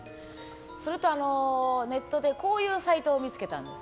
すると、ネットでこういうサイトを見つけたんです。